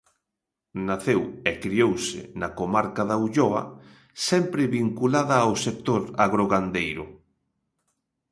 Naceu e criouse na comarca da Ulloa, sempre vinculada ao sector agrogandeiro.